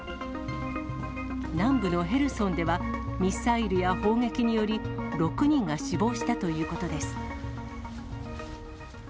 南部のヘルソンでは、ミサイルや砲撃により６人が死亡したということです。